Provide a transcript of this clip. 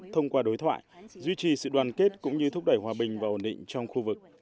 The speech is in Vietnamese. thông qua đối thoại duy trì sự đoàn kết cũng như thúc đẩy hòa bình và ổn định